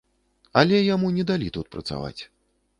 Але яму не далі тут працаваць.